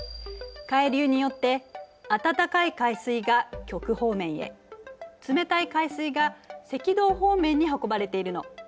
海流によって暖かい海水が極方面へ冷たい海水が赤道方面に運ばれているの。